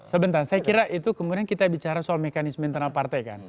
sebentar saya kira itu kemudian kita bicara soal mekanisme internal partai kan